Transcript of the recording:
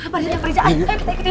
pada jam kerjaan ayo kita ikutin